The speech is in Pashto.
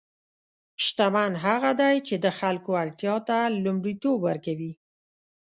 شتمن هغه دی چې د خلکو اړتیا ته لومړیتوب ورکوي.